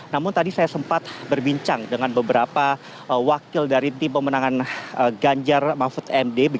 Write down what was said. namun tadi saya sempat berbincang dengan beberapa wakil dari tim pemenangan ganjar mahfud md